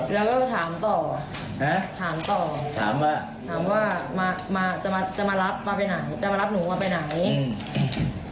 แล้วก็ถามต่อถามว่าจะมารับมาไปไหนจะมารับหนูมาไปไหน